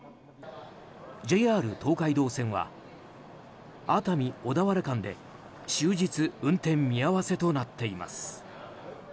ＪＲ東海道線は熱海小田原間で終日運転見合わせとなっています。